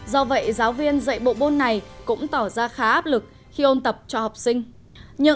do vậy giáo viên dạy bộ bôn này cũng tỏ ra khá áp lực khi ôn tập cho học sinh